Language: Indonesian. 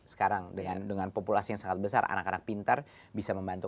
sekarang dengan populasi yang sangat besar anak anak pintar bisa membantu